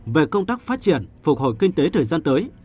về công tác phát triển phục hồi kinh tế thời gian tới